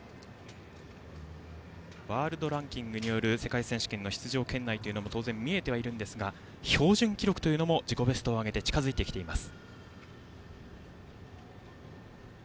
ワールドランキングによる世界選手権への出場も当然見えてはいますが標準記録も自己ベストを上げて近づいてきています。